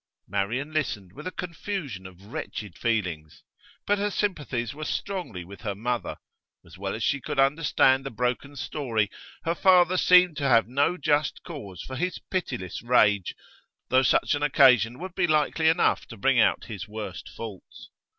Marian listened with a confusion of wretched feelings. But her sympathies were strongly with her mother; as well as she could understand the broken story, her father seemed to have no just cause for his pitiless rage, though such an occasion would be likely enough to bring out his worst faults.